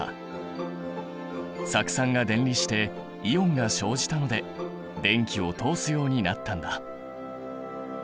酢酸が電離してイオンが生じたので電気を通すようになったんだ。